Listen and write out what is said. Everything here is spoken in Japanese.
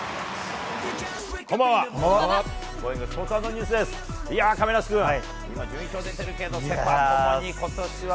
こんばんは。